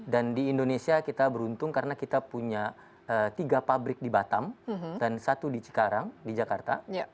di indonesia kita beruntung karena kita punya tiga pabrik di batam dan satu di cikarang di jakarta